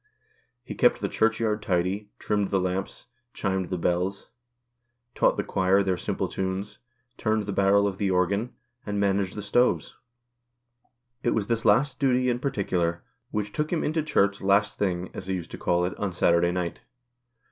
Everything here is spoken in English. He kept the Churchyard tidy, trimmed the lamps, chimed the bells, taught the choir their simple tunes, turned the barrel of the organ, and managed the stoves. It was this last duty in particular, which took him into Church "last thing," as he used to call it, on Saturday night.